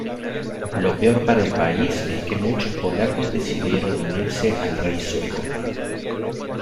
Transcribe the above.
Lo peor para el país es que muchos polacos decidieron unirse al rey sueco.